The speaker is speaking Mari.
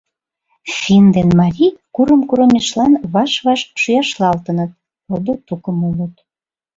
Финн ден марий курым-курымешлан ваш-ваш шӱяшлалтыныт, родо-тукым улыт.